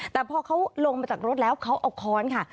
แต่พอเขาลงมาจากรถแล้วเขาเอาค้อนค่ะ